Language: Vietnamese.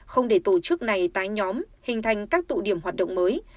không để tổ chức này tái nhóm hình thành các tụ điểm hoạt động mới